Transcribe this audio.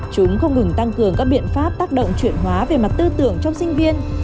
chúng không ngừng tăng cường các biện pháp tác động chuyển hóa về mặt tư tưởng trong sinh viên